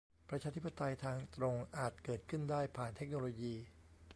ประชาธิปไตยทางตรงอาจเกิดขึ้นได้ผ่านเทคโนโลยี